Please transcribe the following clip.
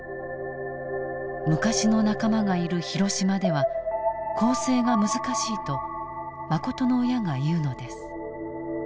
昔の仲間がいる広島では更生が難しいとマコトの親が言うのです。